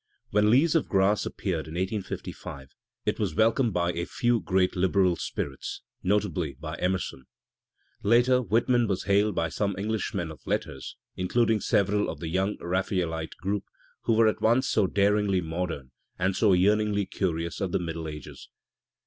When "Leaves of Grass" appeared in 1855, it was welcomed by a few great liberal spirits, notably by Emerson. Later Whitman 810 Digitized by Google WHITMAN 211 was hailed by some English men of letters, including several of the young pre Baphaelite group, who were at once so daringly modem and so yearningly curious of the middle ages.